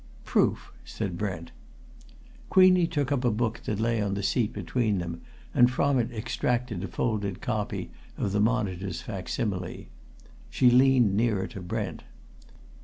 "Proof!" said Brent. Queenie took up a book that lay on the seat between them and from it extracted a folded copy of the Monitor's facsimile. She leaned nearer to Brent.